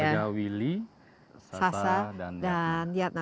ada willy sasa dan yatna